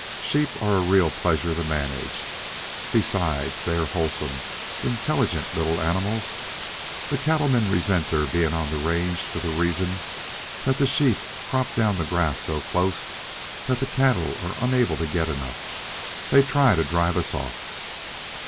Sheep are a real pleasure to manage. Besides, they are wholesome, intelligent little animals. The cattle men resent their being on the range for the reason that the sheep crop down the grass so close that the cattle are unable to get enough. They try to drive us off."